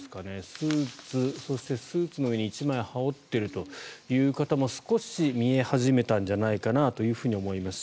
スーツ、そしてスーツの上に１枚羽織っている方も少し見え始めたんじゃないかなと思います。